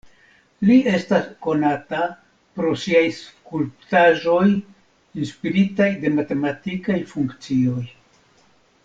Li estas konata pro siaj skulptaĵoj inspiritaj de matematikaj funkcioj.